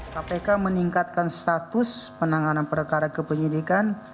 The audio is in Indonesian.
kpk meningkatkan status penanganan perkara kepenyidikan